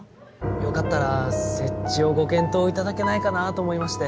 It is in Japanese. よかったら設置をご検討いただけないかなと思いまして。